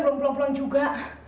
belom pulang pelang juga